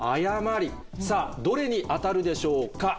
さぁどれに当たるでしょうか？